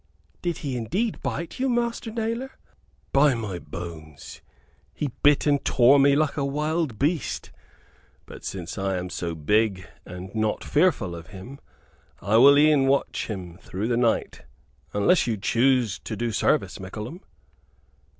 "Did he indeed bite you, Master Nailor?" "By my bones, he bit and tore me like a wild beast. But since I am so big and not fearful of him I will e'en watch him through the night, unless you choose to do service, Mickleham?"